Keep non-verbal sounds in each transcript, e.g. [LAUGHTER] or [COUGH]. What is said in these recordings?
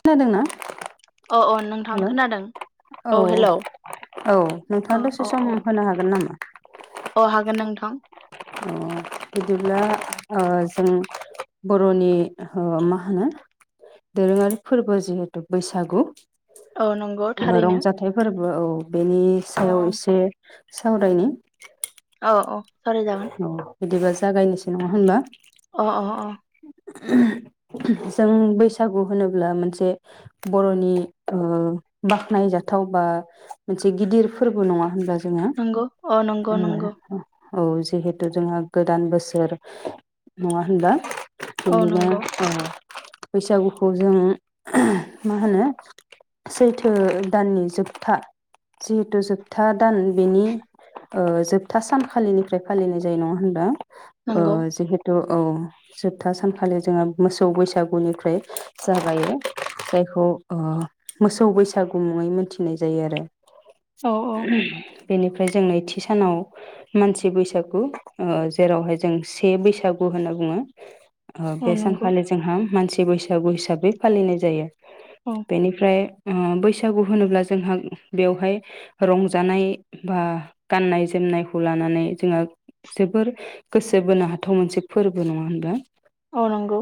खोनादोंना अ अ नोंथां हेल' औ खोनादों औ हेलौ - औ नोंथाङा दसे सम होनो हागोन नामा? अ हागोन नोंथां। बिदिब्ला ओं जों बर'नि ओं मा होनो दोरोङारि फोरबो जिहेथु बैसागु औ नंगौ थारैनो रंजाथाइ फोरबो औ बेनि अ सायाव एसे सावरायनि अ औ सावराय जागोन। औ बिदिबा जागायनोसै नङा होनबा? अ - अ जों बैसागु होनोब्ला मोनसे बर'नि ओम बाख्नायजाथाव बा मोनसे गिदिर फोरबो नङा होनब्ला जों नंगौ अ नंगौ -नंगौ। औ जिहेथु जोंहा गोदान बोसोर नङा होनबा? औ बिनिनो नंगौ ओ बैसागुखौ जों मा होनो सैथ्र दाननि जोबथा जिहेथु जोबथा दान बेनि ओं जोबथा सान खालिनिफ्राय फालिनाय जायो नङा होनबा? ओ नंगौ जिहेतु ‌ औ जोबथा सानखालि जोंहा मोसौ बैसागुनिफ्राय जाबायो जायखौ मोसौ बैसागु मुङै मोनथिनाय जायो आरो। औ औ [UNINTELLIGIBLE] बेनिफ्राय जों नैथि सानाव मानसि बैसागु ओं जेरावहाय जों से बैसागु होनना बुङो। ओ औ बे नंगौ सानखालि जोंहा मानसि बैसागु हिसाबै फालिनाय जायो। औ बेनिफ्राय ओ बैसागु होनोब्ला जोंहा बेवहाय रंजानाय बा गाननाय जोमनाय खौ लानानै जोङो जोबोर गोसो बोनो हाथाव मोनसे फोरबो नङा होनबा। औ नंगौ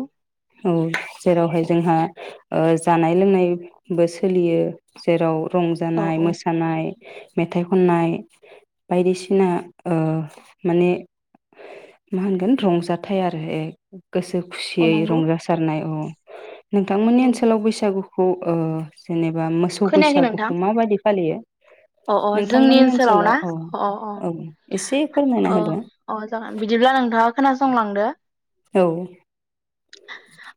औ जेरावहाय जोंहा जानाय लोंनायबो सोलियो जेराव औ रंजानाय औ मोसानाय मेथाइ खननाय बायदिसिना ओ माने मा होनगोन रंजाथाइ आरो ए गोसो अ खुसियै नंगौ रंजासारनायाव नोंथांमोननि औ ओनसोलाव बैसागु खौ ओ जेन मोसौ खोनायाखै नोंथां बैसागुखौ माबायदि फालियो।। अ अ जोंनि नोंथांमोननि ओनसोलाव ना औ अ अ औ एसे फोरमायना औ होदो अ जागोन बिदिब्ला नोंथाङा खोनासंलांदो। औ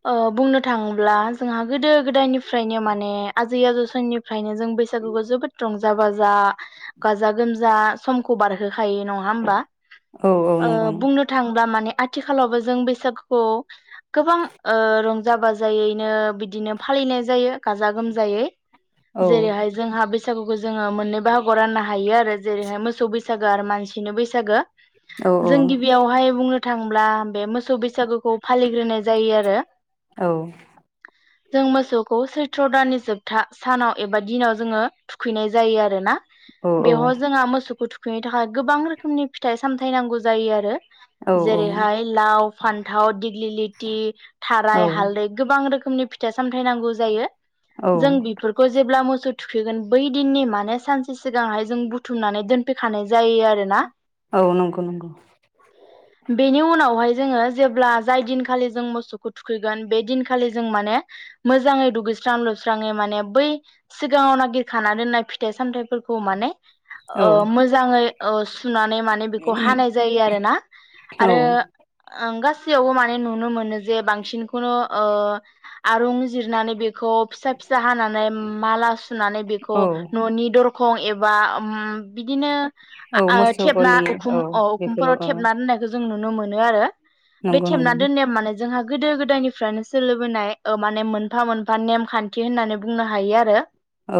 ओ बुंनो थाङोब्ला जोंहा गोदो गोदायनिफ्रायनो माने आजै आजौ समनिफ्रायनो जों बैसागुखौ जोबोद रंजा बाजा गाजा गोमजा समखौ बारहो खायो नङा होमबा औ औ नंगौ नंगौ बुंनो थाङोब्ला माने आथिखालावबो जों बैसागुखौ गोबां ओ रं जा बाजायैनो बिदिनो फालिनाय जायो गाजा गोमजायै। औ जेरैहाय जोंहा बै सागुखौ जोङो मोननै बाहागोआव राननो हायो आरो जेरैहाय मोसौ बैसागो आरो मानसिनि बैसागो। औ जों गिबियावहाय बुंनो थांब्ला बे मोसौ बैसागुखौ फालिग्रोनाय जाय जायो आरो औ जों मोसौखौ सैथ्र' दाननि जोबथा सानाव एबा दिनाव जोङो थुखैनाय जायो आरोना औ औ बेवह' जोंहा मोसौखौ थु थुखैनो थाखाय गोबां रोखोमनि फिथाइ सामथाय नांगौ जायो आरो औ जेरैहाय लाव फान्थाव दिग्लि लि ति औ थाराय हालदै गोबां रोखो रोखोमनि फिथा सामथायाइ नांगौ जायो जों बिफोरखौ जेब्ला मोस सौ थुखैगोन बै दिननि माने सानसे सिगांहाय जों बुथुमनानै दोनफैखानाय जायो आरोना औ नंगौ नंगौ। बेनि उनावहाय जोङो जेब्ला जाय दिन। खालि जों मोसौखौ थुखैगोन बे दिनखालि जों माने मोजाङै दुगैस्रां लुस्राङै माने बै सिगाङाव नागिरखाना दोननाय फिथाइ सामथाइफोरखौ माने। औ मोजाङै सुनानै माने बेखौ हानाय जायो आरोना औ आरो ओं गास सैआवबो माने नु नो मोनो जे बांसिनखौनो ओ आरुं जिरनानै बेखौ फिसा फिसा हानानै माला सुनानै बेखौ औ न'नि दरख खं एबा उम बिदिनो औ आ-आ मोसौ थेबना गलि औ उखुम अ बेफोराव उखुमफोराव औ थेबना दोननायखौ जों नु नुनो मोनो आरो। बे नंगौ थेबना नंगौ। दोननाया माने जोंहा गोदो गोदायनिफ्रायनो सोलिबोनाय ओ माने मोनफा मोनफा नेमखान्थि होननानै बुंनो हायो आरो। औ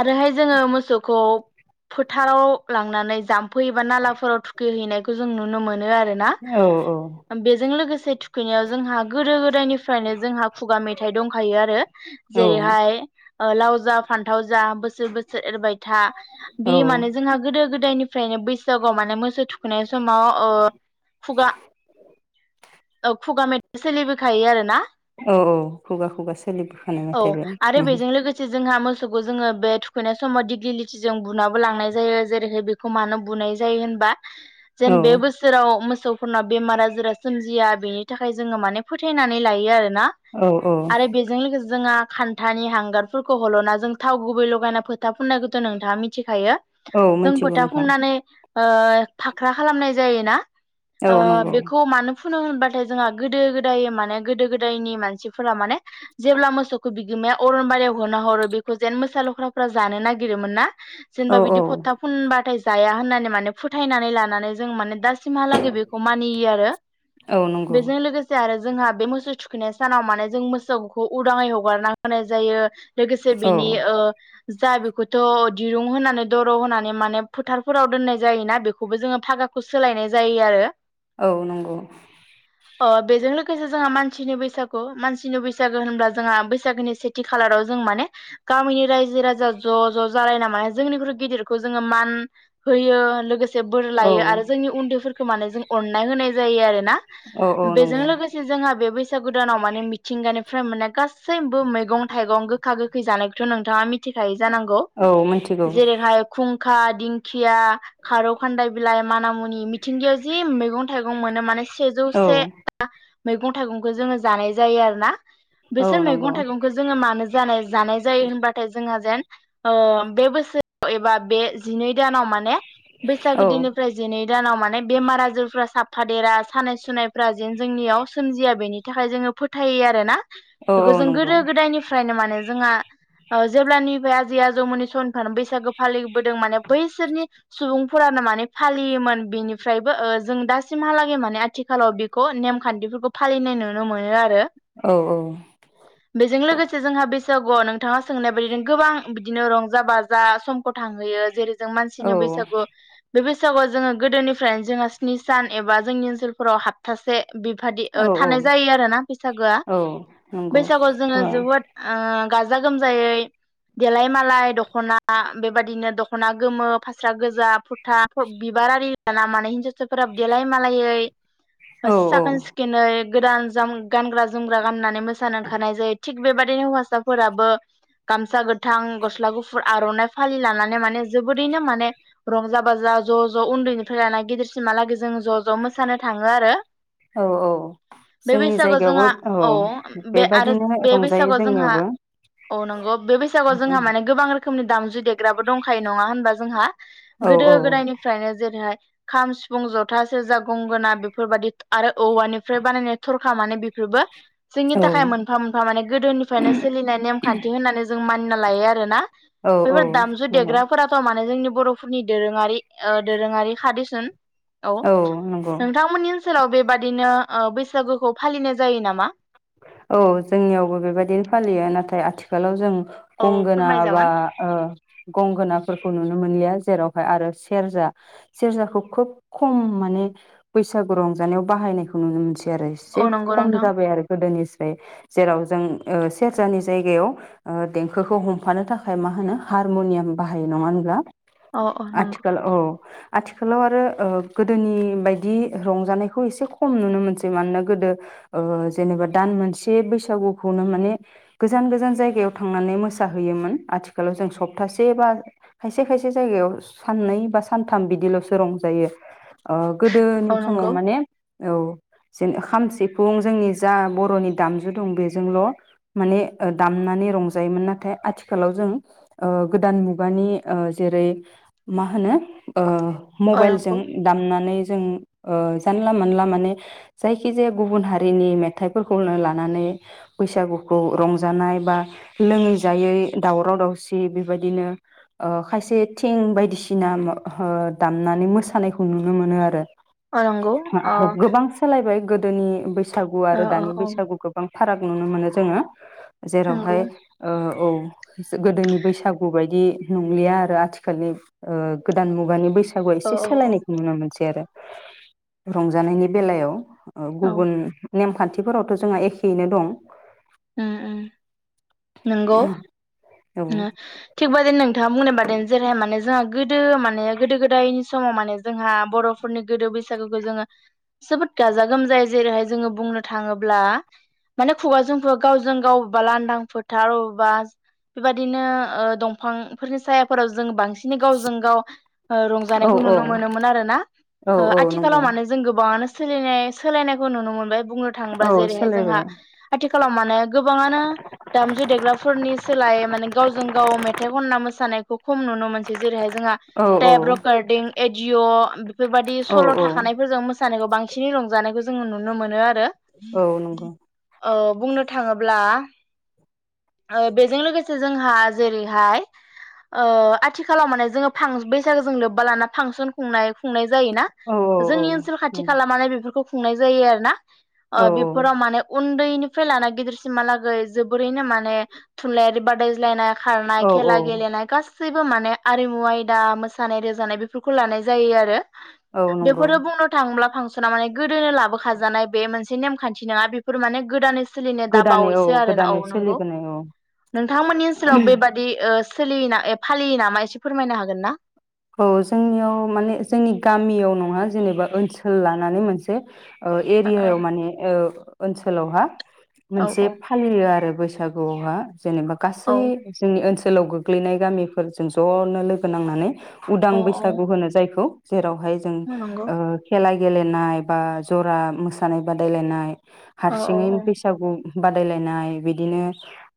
आरोहाय जोङो मोस खौ फोथाराव लांनानै जामफ फै एबा नालाफोराव थुखैहैनायखौ। खौ जों नुनो मोनो आरो। औ बेजों लोगोसे थुखैनायाव जोंहा गोदो गोदायनिफ्रायनो जोंहा खुगा मेथाइ दंखायो आरो औ जेरैहाय लाव जा फान्थाव जा बोसो सोर बोसोर एरबाय थ था बे माने जोंहा गोदो गोद दायनिफ्रायनो बैसागु। बैसागुआव माने मोसौ थुखुनाय समाव ओ खुगा। औ खुगा मेथाइ सोलिबोखायो आरोना। औ औ खुगा खुगा सोलिबोखानाय औ मेथाय बे आरो उम। बेजों लोगोसे जोंहा मोसौखौ जोङो बे थुखैनाय समाव दिग्लिथिजों बुनाबो लांनाय जायो जेरैहाय बेखौ मानो बुनाय जायो होनबा। औ जेन बे बोसोराव। फोरनाव बेमार आजारा सोमजिया बेनि थाखाय जोङो माने फोथायनानै लायो आरो। ना औ औ आरो बेजों लोगोसे। जोंहा खान्थानि हांगारफोरखौ हल'ना जों थाव गुबै लगायना फोथा फुननायखौथ' नोंथाङा मिथिखायो। औ जों मिथिगौ फोथा नोंथां। फुननानै फाख्रा खालामनाय जायोना। औ ओ नंगौ बेखौ मानो। फुनो होनबाथाय जोंहा गोदो गोदाय माने गोदो गोदायनि मानसिफोरा माने। जेब्ला मोसौ बि। बिमाया अरनबारियाव होना हरो बेखौ जेन मोसा लख्राफ्रा जानो नागिरोमोन ना औ जेनेबा औ बिदि फथा फुनबाथाय जाया होननानै माने फोथायनानै लानानै जों माने दास सिमहाला गै बो मानियो आरो औ नंगौ बेजों लोगोसे आरो जोंहा बे मोसौ थुखैनाय सानाव माने जों मोसौखौ उदांङै हगारना होनाय जायो लोगोसे औ बिनि ओ जा बेखौथ' दिरुं होनानै दर' होनानै माने फोथारफोराव दोननाय जायोना बेखौबो जोङो फागाखौ सोलायनाय जायो आरो औ नंगौ अ बेजों लोगोसे जोंहा मान खिनि बैसागु मानसिनि बैसागो होनब्ला जोंहा बैसागोनि सेथि खालाराव जों माने गामिनि रायजो राजा ज' ज' जालायना मान जोंनिख्रुइ गिदिरखौ जोङो मान होयो लोगोसे एसे बोर औ लायो आरो जोंनि उन्दैफोरखौ माने जों नाय होनाय जायो आरो ना औ औ बेजों नंगौ लोगोसे जोंहा बेबा बैसागुदानाव माने मिथिंगानिफ्राय मोननाय गासैबो मैगं थाइगं गोखा गोखै जानायखौथ' नोंथांङा मिथिखायो जानांगौ औ मिथिगौ जेरैहाय खुं खा दिंखिया खारौ खान्दाय बिलाइ माना मुनि मिथिंगिायाव मेगं थाइगं मोनो माने से औ जौसे मैगं थाइगंखौ जोङो जानाय जायो आरो ना औ बिसोर मैगं नंगौ थाइगंखौ जोङो मानो जानाय जानाय जायो होनबाथाय जोंहा जेन ओ बे बोसोराव एबा बे जिनै दानाव माने बैसागो औ दिननिफ्राय जिनै दानाव माने बेमार-आजारफ्रा साफादेरा सानाय-सुनाय फ्रा जेन जोंनियाव सोमजिया बेनि नि थाखाय जोङो फोथायो आरो ना औ बेखौ औ जों नंगौ गोदो-गोदायनिफ्रायनो माने जोंहा अ' जेब्लानिफ्राय आजै आजौमोननि सनथान बैसागो फालि बोदों माने बैसोरनि सुबुंफोरानो माने फालियोमोन बेनि फ्रायबो ओ जों दासिमहालागै माने आथिखालाव बेखौ नेमखान्थिफोरखौ फालिनाय नुनो मोनो आरो। औ बेजों लोगोसे जोंहा बेसे नंगौ नोंथांङा सोंनाय बायदिनो गोबां बिदिनो रंजा बाजा समखौ थांहोयो जेरै- जों मानसिनि बैसागु, बे बैसागुआव जोङो गोदोनिफो फ्रायनो जोंहा स्नि सान एबा जोंनि ओनसोलफोराव हाब्थासे। बिबादि ओ औ थानाय औ जायो आरोना बैसागोआ। औ नंगौ बैसागोआव जोङो ओ जोबोद ओ गाजा-गोमजायै। देलाय-मालाय दख'ना। बेबादिनो दख'ना गोमो, फास्रा गोजा फ्र [UNINTELLIGIBLE] बिबारारि। [UNINTELLIGIBLE] सोफोराबो देलाय-मालायै साखोन-सिखोनै गोदान जाम गानग्रा-जोमग्रा गाननानै मोसानो ओंखारनाय जायो। थिग बेबादिनो हौवासाफोराबो गामसा गोथां गस्ला गुफुर आर'नाइ फालि लानानै माने जोबोदैनो माने रंजा बाजा। ज' ज' उन्दैनि फ्राय लाना गिदिरसिमहालागै जों ज'-ज' मोसानो थाङो आरो। औ औ बे जोंनि बैसागुआव जायगायावबो जोंहा औ बे आरो बेबादिनो बे रंजायो बैसागुआव जोंहा जोंनियावबो औ नंगौ बे बैसागुआव जोंहा माने गोबां रोख खोमनि दामजु देग्राबो दंखायो नङा होनबा जोंहा। औ गोदो औ गोदायनिफ्रायनो जेरैहाय। खाम सिफुं जथा सेरजा गंगोना बेफोरबायादि आरो औवानिफ्राय बानायनाय थरखा माने बेफोरबो। जोंनि औ थाखाय मोनफा-मोनफा माने गोदोनिफ्रायनो सोलिनाय नेमखान्थि होननानै जों मानिना लायो आरोना औ औ बेफोर दामजु नंगौ देग्राफोराथ' माने जोंनि। बर'फोरनि दोरोङारि ओ दोरोङारि। खादिसुन। [UNINTELLIGIBLE] औ नोंथांमोननि ओनसोलाव बेबाद बिदिनो बैसागुखौ फालिनाय जायो नामा? औ जोंनियावबो बेबायदिनो फालियो नाथाय आथिखालाव जों औ गंगोना बा फोरमायजागोन गंगोनाफोरखौ नुनो मोनलिया जेराव। आरो सेरजा सेरजाखौ खोब खम माने बैसागु रंजानायाव बाहायनायखौ नुनो मोनसि आरो एसे औ नंगौ खम नोंथां जाबाय आरो। गोदोनिस्राय जेराव जों ओ सेरजानि जायगायाव देंखोखौ हमफानो थाखाय मा होनो हारमुनियाम बाहायो नङा होनब्ला। औ औ नंगौ आथिखाल औ। आथिखालाव आरो ओ गोदोनि बायदि रंजानायखौ एसे खम नुनो मोनसै मानोना गोदो ओ जेनेबा दान मोनसे बैसागुखौनो माने गोजान गोजान जायगायाव थांनानै मोसाहैयोमोन आथिखालाव जों सप्तासे बा खायसे खायसे जायगायाव साननै बा सानथाम बिदिल'सो रंजायो। ओ गोदोनि औ समाव नंगौ माने औ जेन खाम सिफुं जोंनि जा बर'नि दामजु दं बेजोंल' माने दामनानै रंजायोमोन नाथाय आथिखालाव जों ओ गोदान मुगानि ओ जेरै मा होनो? ओ अ मबाइलजों नंगौ दामनानै जों ओ जानला मोला माने जायखि जाया गुब हारिनि मे थायफोरखौनो लानानै बैसागुखौ रंजानाय बा लोङै जायै दावराव दावसि बेबायदिनो खायसे थिं बायदिसिना दामनानै मोसानायखौ नुनो मोनो आरो। अ नंगौ अ गोबां सोलायबाय गोदोनि बैसाग गु अ आरो अ दानि औ बैसागु गोबां फाराग नुनो मोनो जोङो। नंगौ जेरावहाय ओ औ गोदोनि बैसागु बायदि नंलिया आरो आथिखालनि ओ गोदान मुगानि बैसा गुया औ एसे औ औ सोलायनायखौ नुनो मोनसै आरो। रंजानायनि बेलायाव ओ औ गुबुन नेमखान्थिफोरावथ' जोंहा एखेयैनो दं। उम उम नंगौ औ उम थिग बेबादिनो नोंथाङा बुंनाय बादेनो जेरैहाय माने जोहा गो गोदो माने गोदो गोदायनि समाव माने जोंहा बर'फोरनि गोदो बैसागुखौ जोङो जोबोद गाजा गोमजायै जेरैहाय जोङो बुंनो थाङोब्ला माने खुगाजों गावजों गाव अबेबा लांदां फोथार अबेबा बेबदिनो ओ दंफांफोरनि सायाफोराव जों बांसिन गावजों गाव ओ औ रंजानायखौ औ नुनो मोनोमोन आरो ना औ ओ औ नंगौ आथिखालाव मानो जों गोबाङानो सोलिनाय सोलायनायखौ नुनो मोनबाय। बुंनो थाङोबा औ जेरैहाय सोलायबाय जोंहा ने गोबांङनो दामजु देग्राफोरनि सोलाय माने गावजों गाव मेथाइ खनना मोसानायखौ खम नुनो मोनसै जेरैहाय जोंहा औ औ टेप रेकर्डं एडिअ' बेफोरबायदि औ सल' औ थाखानायफोरजों मोसानायखौ बांसिनै रंजानोखौ जोङो नुनो मोनो आरो औ नंगौ ओ बुंनो थाङोब्ला ओ बेजों लोगोसे जोंहा जेरैहाय ओ आथिखालाव माने जोङो बैसागोजों लोब्बा लाना फांसन खुंनाय खुंनाय जायोना औ औ जोंनि ओनसोल खाथि नंगौ खालामने बेफोरखौ खुंनाय जायो आरो ना औ ओ बेफोराव माने उन [UNINTELLIGIBLE] फ्राय लाना गिदिरसिमहालागै जोबोरैनो माने थुनलाइारि बादायज्लायनाय खारनाय औ खेला औ गेलेनाय गास गासैबो माने आरिमु आयदा मोसानाय रोजानाय बेफोरखौ लानाय जायो आरो औ नंगौ बेफोरो बुंनो थाङोब्ला फांस ना माने गोदोनो लाबोखाजानाय बे मोनसे नेमखान्थि नङा बेफोर माने गोदानै सोलिनो गोदानै औ दाबावैसो आरोना औ गोदानै नंगौ सोलिबोनाय औ नोंथांमोननि ओनसोलाव बेबादि ओ सोलियोना ए फालियो नामा एसे फोरमायनो हागोन ना? औ जोंनियाव माने जोंनि गामियाव नङा जेनेबा ओनसोल लानानै मोनसे ओ एरियायाव माने ओ ओनसोलावहा ओ औ मोनसे फालियो आरो बैसागुआवबा जेनेबा औ गासै जोंनि ओनसोल जलाव गोग्लैनाय गामिफोरजों ज'नो लोगो नांनानै। उदां औ बैसागु होनो जायखौ जेराव हाय जों औ नंगौ खे गेलेनाय बा जरा मोसानाय बादायलायनाय औ हारसिङै बैसागु बादायलायनाय बिदिनो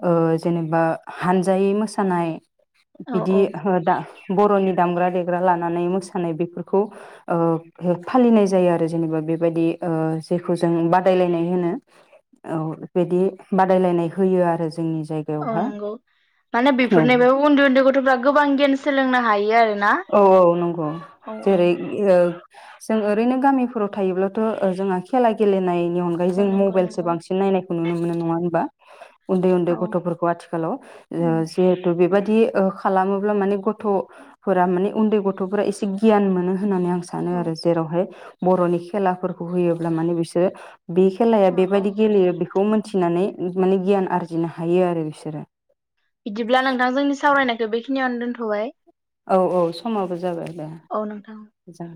ओ जेनेबा हानजायै मोसानाय। औ बिदि औ हो दा बर'नि दामग्रा देग्रा लानानै मोसानाय बेफोरखौ ओ फालिनाय जायो आरो जेनेबा बेबायदि ओ जेखौ जों बादायलायनाय होनो औ बिदि बादायलायनाय होयो आरो जोंनि जायगायावहा नंगौ माने औ बेफोरनि बे उन्दै उन्दै गथ'फ्रा गोबां गियान सोलोंनो हायो आरो ना औ औ नंगौ औ औ जेरै ओ जों ओरैनो गामिफोराव थायोब्लाथ' जोंहा खेला गेलेनायनि नि अनगायै औ जों नंगौ मबाइलो नंगौ बांसिन नाय खुनुनो मोनो नङा होनबा? उन्दै-उन्दै औ गथ'फोरखौ आथिखालाव ओ उम जेहेथु बेबायदि बिदि ओ खालामोब्ला माने गथ' फोर माने उन्दै गथ'फोरा एसे गियान मोनो। होननानै आं सानो औ आरो जेरावहाय बर'नि खेलाफोरखौ होयोब्ला माने बिसोरो बे खेलाया औ औ बेबायदि गेलेयो बेखौ मिथिनानै माने गियान आरजिनो हायो आरो बिसोरो होआइ औ-औ समाबो जाबाय दे औ नोंथां मजां